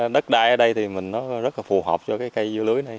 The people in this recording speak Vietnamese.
đất đai ở đây thì nó rất là phù hợp cho cây dưa lưới này